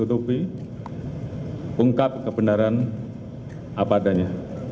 untuk mengungkap kebenaran apa adanya